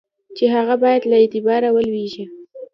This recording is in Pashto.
چي هغه باید له اعتباره ولوېږي.